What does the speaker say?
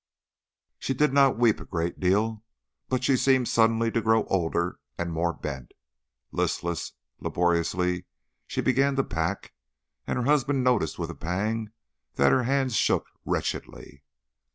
She did not weep a great deal, but she seemed suddenly to grow older and more bent. Listlessly, laboriously she began to pack, and her husband noticed with a pang that her hands shook wretchedly.